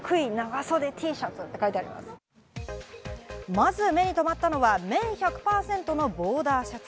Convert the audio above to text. まず目に留まったのは、綿１００％のボーダーシャツ。